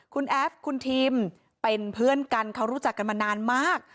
คุณแอฟคุณทิมเป็นเพื่อนกันเขารู้จักกันมานานมาก